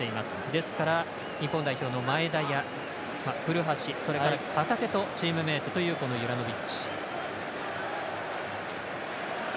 ですから、日本代表の前田や古橋らとチームメートというユラノビッチ。